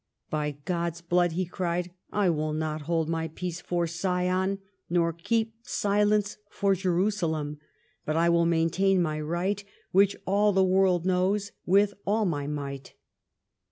" By God's blood," he cried, " I will not hold my peace for Sion, nor keep silence for Jerusalem ; but I will maintain my right, which all the world knows, with all my might."